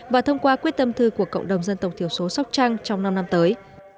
và thông qua quyết tâm thư của cộng đồng dân tộc thiểu số sóc trăng trong năm năm tới